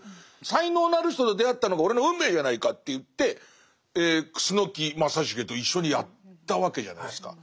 才能のある人と出会ったのが俺の運命じゃないかといって楠木正成と一緒にやったわけじゃないですか。